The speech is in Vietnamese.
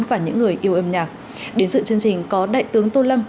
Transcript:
và những người yêu âm nhạc đến dự chương trình có đại tướng tô lâm